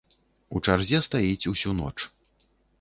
У чарзе стаіць усю ноч.